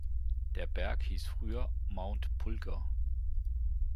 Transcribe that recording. Der Berg hieß früher "Mount Pulgar".